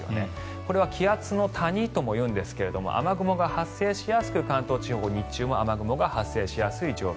これは気圧の谷ともいうんですが雨雲が発生しやすく関東地方、日中も雨雲が発生しやすい状況。